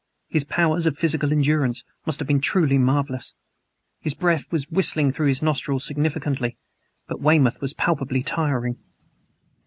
His powers of physical endurance must have been truly marvelous. His breath was whistling through his nostrils significantly, but Weymouth was palpably tiring.